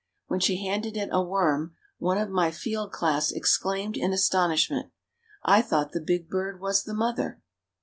When she handed it a worm, one of my field class exclaimed in astonishment, 'I thought the big bird was the mother!'"